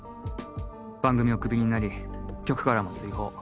番組をクビになり局からも追放。